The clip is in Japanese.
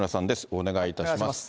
お願いいたします。